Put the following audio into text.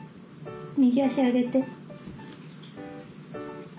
右足上げて。